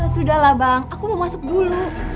sudahlah bang aku mau masuk dulu